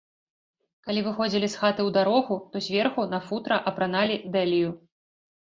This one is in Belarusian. Калі выходзілі з хаты ў дарогу, то зверху на футра апраналі дэлію.